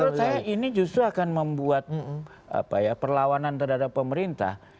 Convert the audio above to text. menurut saya ini justru akan membuat perlawanan terhadap pemerintah